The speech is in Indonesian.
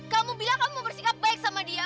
kamu bilang kamu mau bersikap baik sama dia